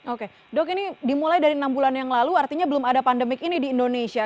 oke dok ini dimulai dari enam bulan yang lalu artinya belum ada pandemik ini di indonesia